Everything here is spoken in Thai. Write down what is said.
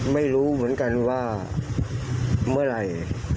ไม่รู้เหมือนกันว่าเมื่อไหร่